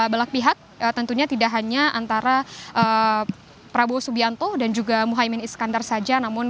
belak pihak tentunya tidak hanya antara prabowo subianto dan juga muhaymin iskandar saja namun